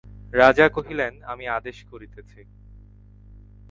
রাজা কহিলেন, আমি আদেশ করিতেছি।